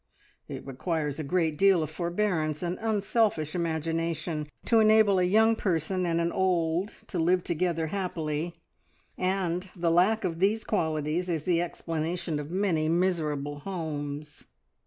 It requires a great deal of forbearance and unselfish imagination to enable a young person and an old to live together happily, and the lack of these qualities is the explanation of many miserable homes.